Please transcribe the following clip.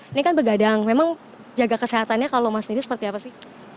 ini kan begadang memang jaga kesehatannya kalau mas sendiri seperti apa sih